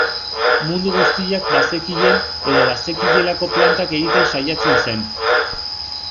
Mundu guztiak bazekien edo bazekielako plantak egiten saiatzen zen.